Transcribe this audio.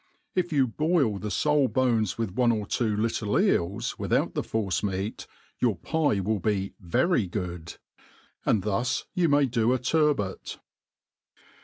If you boil the foal bones with one or two little eels, without the force meat, your pie will be very good. And thus you may do a turbot.